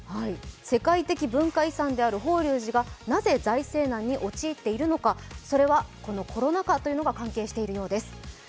世界的文化遺産である法隆寺がなぜ財政難に陥っているのか、それはこのコロナ禍というのが関係しているようです。